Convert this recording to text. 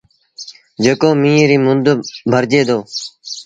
جيڪو ميݩهن ريٚ مند ڀرجي دو۔